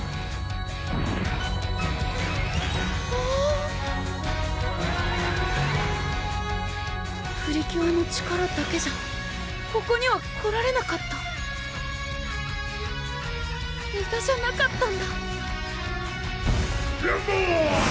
わぁプリキュアの力だけじゃここには来られなかったむだじゃなかったんだランボーグ！